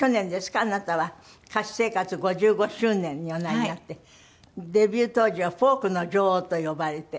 あなたは歌手生活５５周年におなりになってデビュー当時は「フォークの女王」と呼ばれて。